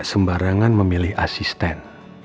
dia gak sembarangan memilih asisten